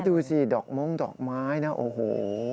ดูสิดอกม้งดอกไม้นะโอ้โห